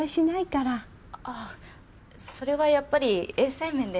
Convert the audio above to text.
ああそれはやっぱり衛生面で。